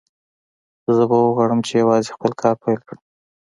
زه به وغواړم چې یوازې خپل کار پیل کړم